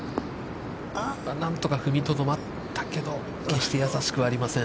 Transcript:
何とか踏みとどまったけど、決して易しくはありません。